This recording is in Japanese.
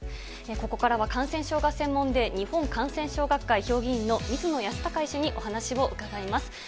ここからは感染症が専門で、日本感染症学会評議員の水野泰孝医師にお話を伺います。